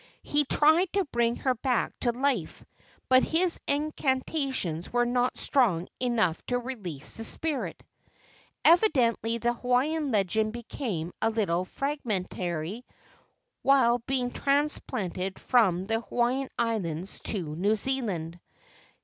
He tried to bring her back to life, but his incantations were not strong enough to release the spirit. Evidently the Hawaiian legend became a little fragmen¬ tary while being transplanted from the Hawaiian Islands to New Zealand.